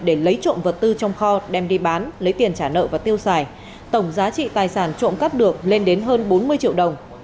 để lấy trộm vật tư trong kho đem đi bán lấy tiền trả nợ và tiêu xài tổng giá trị tài sản trộm cắp được lên đến hơn bốn mươi triệu đồng